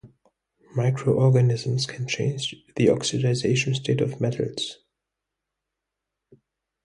Microorganisms can change the oxidation state of metals.